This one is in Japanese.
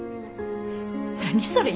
何それ。